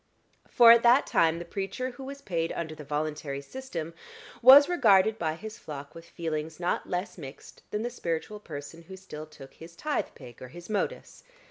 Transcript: For at that time the preacher who was paid under the Voluntary system was regarded by his flock with feelings not less mixed than the spiritual person who still took his tithe pig or his modus.